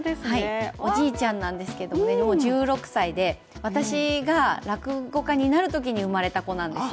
おじいちゃんなんですけど、もう１６歳で私が落語家になるときに生まれた子なんですよ。